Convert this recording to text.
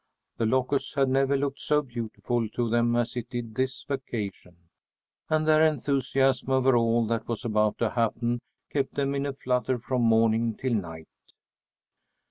The Locusts had never looked so beautiful to them as it did this vacation, and their enthusiasm over all that was about to happen kept them in a flutter from morning till night.